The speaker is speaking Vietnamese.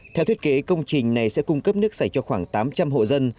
theo thiết kế công trình này sẽ cung cấp nước sạch cho khoảng tám trăm linh hộ dân